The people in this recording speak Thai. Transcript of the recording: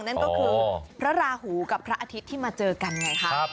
นั่นก็คือพระราหูกับพระอาทิตย์ที่มาเจอกันไงคะ